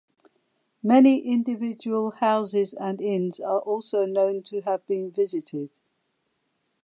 Many individual houses and inns are also known to have been visited.